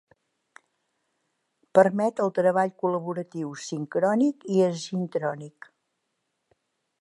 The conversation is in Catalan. Permet el treball col·laboratiu sincrònic i asincrònic.